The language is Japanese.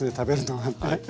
はい。